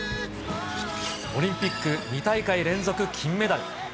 オリンピック２大会連続金メダル。